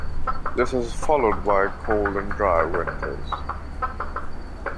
This is followed by cold and dry winters.